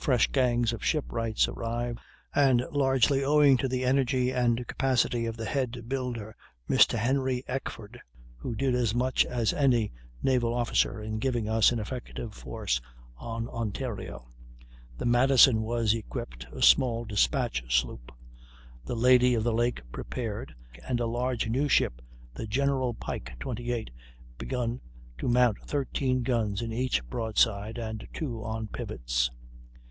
Fresh gangs of shipwrights arrived, and, largely owing to the energy and capacity of the head builder, Mr. Henry Eckford (who did as much as any naval officer in giving us an effective force on Ontario), the Madison was equipped, a small despatch sloop, The Lady of the Lake prepared, and a large new ship, the General Pike, 28, begun, to mount 13 guns in each broadside and 2 on pivots.